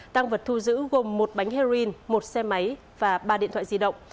tăng vật thu giữ gồm một bánh heroin một xe máy và ba điện thoại di động